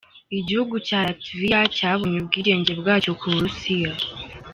Igihugu cya Latvia cyabonye ubwigenge bwacyo ku burusiya.